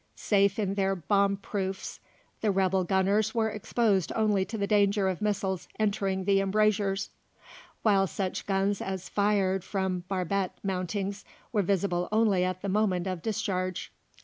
Safe in their bomb proofs, the rebel gunners were exposed only to the danger of missiles entering the embrasures; while such guns as fired from barbette mountings were visible only at the moment of discharge.